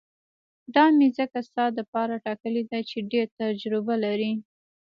دا مې ځکه ستا دپاره ټاکلې ده چې ډېره تجربه لري.